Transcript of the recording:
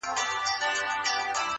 خو چي راغلې پر موږ کرونا ده-